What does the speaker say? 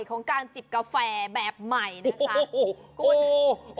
มันจิบกาแฟแบบใหม่นะครับ